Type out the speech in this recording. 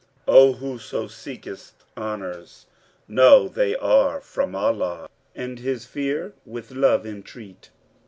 O whoso seekest honours, know they are * From Allah, and His fear with love entreat."